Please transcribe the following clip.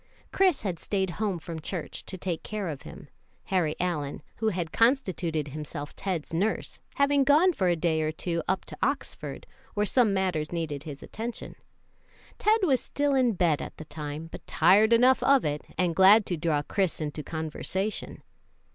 Chris had staid home from church to take care of him, Harry Allyn, who had constituted himself Ted's nurse, having gone for a day or two up to Oxford, where some matters needed his attention. Ted was still in bed at the time, but tired enough of it, and glad to draw Chris into conversation.